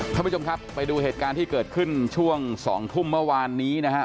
ท่านผู้ชมครับไปดูเหตุการณ์ที่เกิดขึ้นช่วง๒ทุ่มเมื่อวานนี้นะฮะ